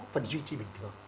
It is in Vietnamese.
vẫn duy trì bình thường